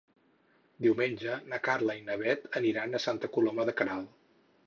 Diumenge na Carla i na Bet aniran a Santa Coloma de Queralt.